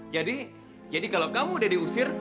jadi jadi kalau kamu udah diusir